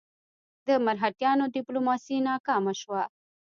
د مرهټیانو ډیپلوماسي ناکامه شوه.